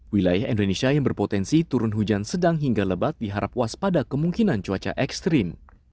wilayah indonesia yang berpotensi turun hujan sedang hingga lebat diharap waspada kemungkinan cuaca ekstrim